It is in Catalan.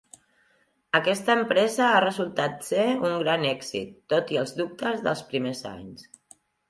Aquesta empresa ha resultat ser un gran èxit, tot i els dubtes dels primers anys.